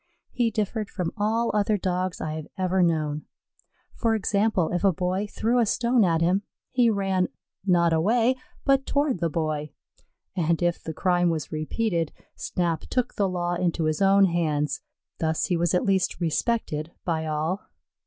He differed from all other Dogs I have ever known. For example, if a boy threw a stone at him, he ran, not away, but toward the boy, and if the crime was repeated, Snap took the law into his own hands; thus he was at least respected by all.